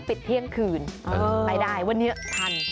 เที่ยงคืนไปได้วันนี้ทัน